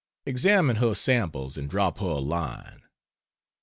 Examine her samples and drop her a line.